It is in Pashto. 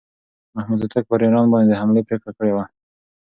محمود هوتک پر ایران باندې د حملې پرېکړه کړې وه.